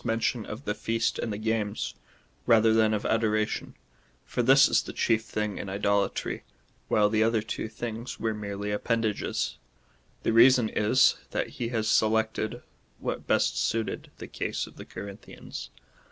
But here it is asked, why the Apostle makes mention of the feast and the games, rather than of adoration, for this is the chief thing in idolatry, while the other two things were merely appendages. The reason is, that he has selected what best suited the case of the Corinthians.